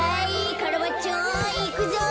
カラバッチョいくぞ！